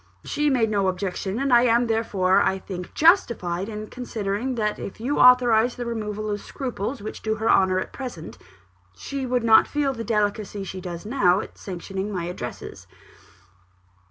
She made no objection; and I am, therefore, I think, justified in considering that if you authorised the removal of scruples which do her honour at present, she would not feel the delicacy she does now at sanctioning my addresses."